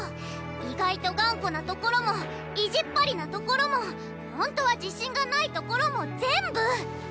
意外と頑固なところも意地っ張りなところもほんとは自信がないところも全部！